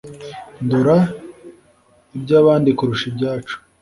Ndora iby ' abandi kurusha ibyacu